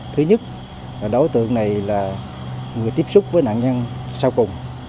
thứ nhất đối tượng này là người tiếp xúc với nạn nhân sau cùng